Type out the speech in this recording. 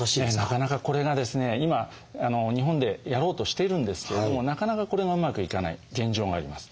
なかなかこれがですね今日本でやろうとしているんですけれどもなかなかこれがうまくいかない現状があります。